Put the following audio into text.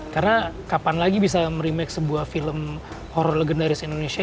karena kapan lagi bisa merimake sebuah film horror legendaris indonesia